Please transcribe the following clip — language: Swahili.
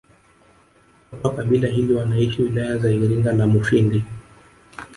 Watu wa kabila hili wanaishi wilaya za Iringa na Mufindi